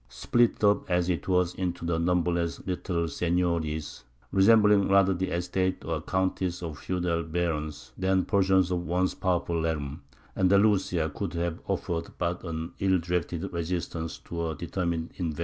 Split up as it was into numberless little seigniories, resembling rather the estates or counties of feudal barons than portions of a once powerful realm, Andalusia could have offered but an ill directed resistance to a determined invader.